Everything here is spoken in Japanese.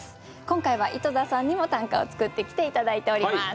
今回は井戸田さんにも短歌を作ってきて頂いております。